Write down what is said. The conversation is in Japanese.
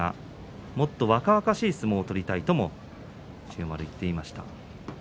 もっと若々しい相撲を取りたいと千代丸は言っていました。